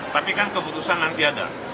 tapi kan keputusan nanti ada